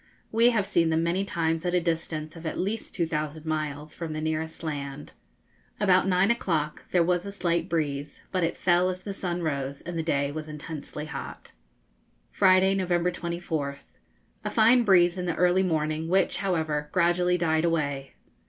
We have seen them many times at a distance of at least two thousand miles from the nearest land. About nine o'clock there was a slight breeze, but it fell as the sun rose, and the day was intensely hot. Friday, November 24th. A fine breeze in the early morning, which, however, gradually died away.